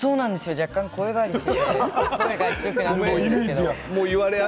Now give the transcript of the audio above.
若干声変わりして。